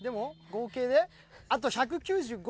合計であと１９５？